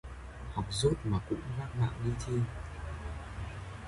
Học dốt mà cũng vác mạng đi thi